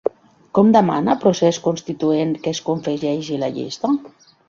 Com demana Procés Constituent que es confegeixi la llista?